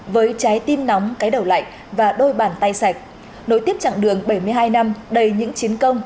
với trái tim nóng cái đầu lạnh và đôi bàn tay sạch nối tiếp trạng đường bảy mươi hai năm đầy những chiến công